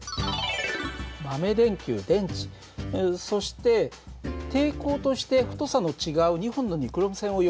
豆電球電池そして抵抗として太さの違う２本のニクロム線を用意したよ。